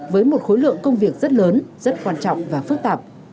với một khối lượng công việc rất lớn rất quan trọng và phức tạp